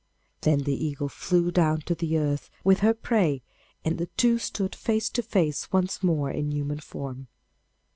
Then the eagle flew down to the earth with her prey, and the two stood face to face once more in human form.